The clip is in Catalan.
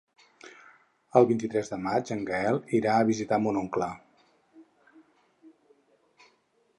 El vint-i-tres de maig en Gaël irà a visitar mon oncle.